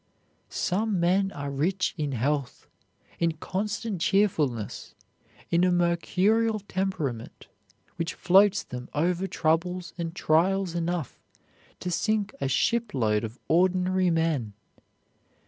Some men are rich in health, in constant cheerfulness, in a mercurial temperament which floats them over troubles and trials enough to sink a shipload of ordinary men.